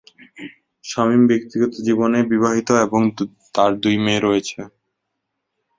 শামীম ব্যক্তিগত জীবনে বিবাহিত এবং তার দুই মেয়ে রয়েছে।